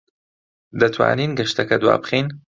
دەتوانین گەشتەکە دوابخەین؟